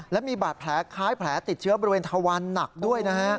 และมีบาดแผลคล้ายแผลติดเชื้อบริเวณทะวันหนักด้วยนะฮะ